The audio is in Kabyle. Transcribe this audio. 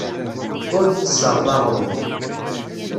Ur d-tessaɣeḍ aɣrum.